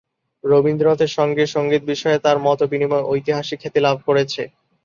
রবীন্দ্রনাথের সঙ্গে সঙ্গীত বিষয়ে তার মতবিনিময় ঐতিহাসিক খ্যাতি লাভ করেছে।